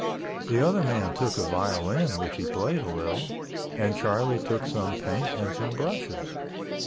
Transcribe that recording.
The other man took a violin which he played a little, and Charlie took some paint and some brushes.